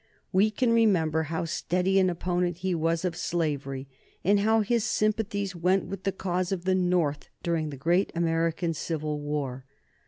We can remember how steady an opponent he was of slavery, and how his sympathies went with the cause of the North during the great American civil war.